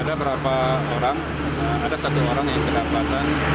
ada berapa orang ada satu orang yang tidak dapatkan